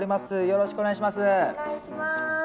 よろしくお願いします。